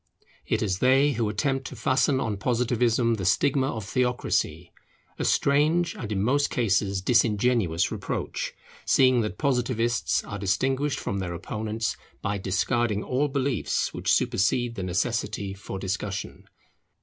It is they who attempt to fasten on Positivism the stigma of theocracy: a strange and in most cases disingenuous reproach, seeing that Positivists are distinguished from their opponents by discarding all beliefs which supersede the necessity for discussion.